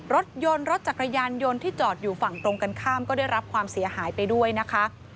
รถยนต์รถจักรยานยนต์ที่จอดอยู่ฝั่งตรงกันข้ามก็ได้รับความเสียหายไปด้วยนะคะ